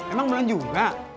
emang belum juga